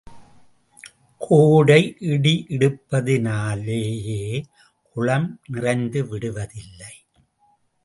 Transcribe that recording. கோடை இடிஇடிப்பதினாலேயே குளம் நிறைந்துவிடுவதில்லை.